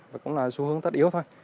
và cũng là xu hướng tất yếu thôi